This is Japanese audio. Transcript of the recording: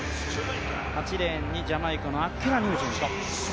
８レーンにジャマイカのアッケラ・ニュージェント。